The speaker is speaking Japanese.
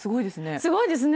すごいですね。